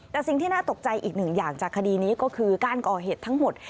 แต่สิ่งที่น่าตกใจอีกหนึ่งอย่างจากคดีนี้ก็คือการก่อเหตุทั้งหมด